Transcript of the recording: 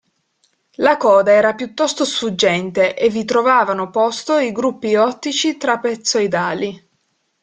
La coda era piuttosto sfuggente e vi trovavano posto i gruppi ottici trapezoidali.